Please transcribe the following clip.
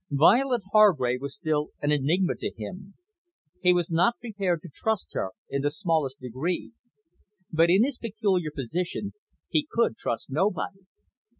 Violet Hargrave was still an enigma to him. He was not prepared to trust her in the smallest degree. But in his peculiar position he could trust nobody.